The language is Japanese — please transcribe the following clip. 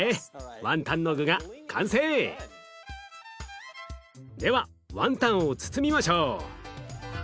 ワンタンの具が完成！ではワンタンを包みましょう。